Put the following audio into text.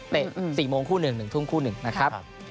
เตะ๔โมงคู่๑นึงทุ่มคู่๑นะครับ